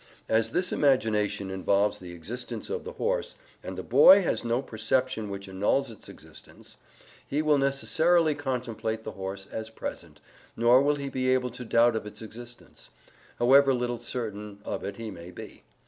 As this imagination involves the existence of the horse, AND THE BOY HAS NO PERCEPTION WHICH ANNULS ITS EXISTENCE [James's italics], he will necessarily contemplate the horse as present, nor will he be able to doubt of its existence, however little certain of it he may be.